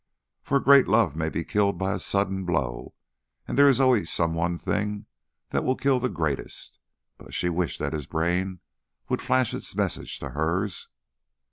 For a great love may be killed by a sudden blow, and there is always some one thing that will kill the greatest. But she wished that his brain would flash its message to hers.